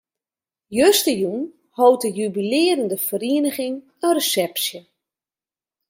Justerjûn hold de jubilearjende feriening in resepsje.